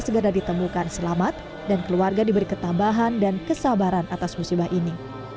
segera ditemukan selamat dan keluarga diberi ketambahan dan kesabaran atas musibah ini